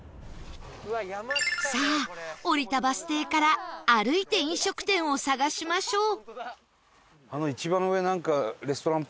さあ降りたバス停から歩いて飲食店を探しましょう